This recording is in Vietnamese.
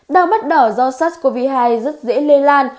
đau mắt đỏ do sars cov hai rất dễ lây lan